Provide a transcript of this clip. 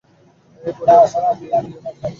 এই পরিবারের সাথে যে মেয়ের বিয়ে হবে সেই প্রাণ হারাবে।